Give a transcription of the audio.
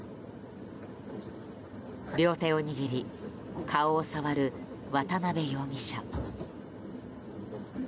両手を握り、顔を触る渡邉容疑者。